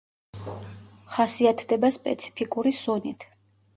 ხასიათდება სპეციფიკური სუნით.